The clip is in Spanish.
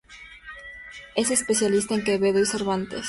Es especialista en Quevedo y Cervantes.